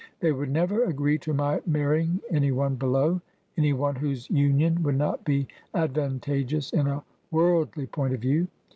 They would never agree to my marrying any one below — ^any one whose union would not be ad vantageous in a worldly point of view.